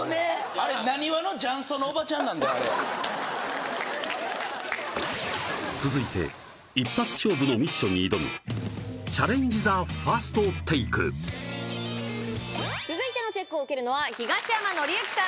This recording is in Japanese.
あれははははっ続いて一発勝負のミッションに挑む続いてのチェックを受けるのは東山紀之さん